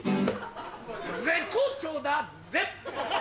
絶好調だぜ！